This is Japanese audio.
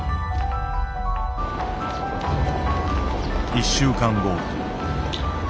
１週間後。